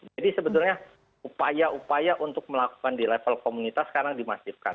jadi sebetulnya upaya upaya untuk melakukan di level komunitas sekarang dimasifkan